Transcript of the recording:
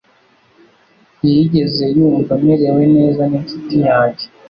Ntiyigeze yumva amerewe neza n'inshuti yanjye